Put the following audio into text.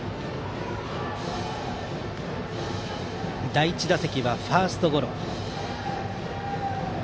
第１打席はファーストゴロ。